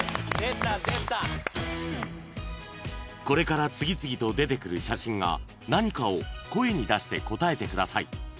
［これから次々と出てくる写真が何かを声に出して答えてください］